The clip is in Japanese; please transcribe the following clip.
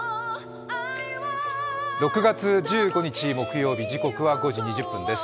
６月１５日木曜日、時刻は５時２０分です。